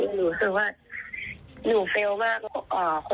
หนูรู้สึกว่าหนูเฟลล์มาก